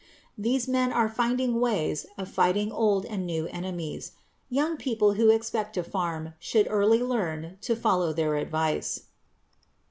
These men are finding ways of fighting old and new enemies. Young people who expect to farm should early learn to follow their advice.